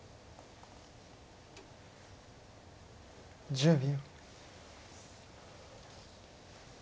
１０秒。